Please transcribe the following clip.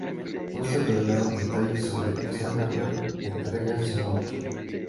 No se revelaron detalles sobre esa nueva entrega sin nombre.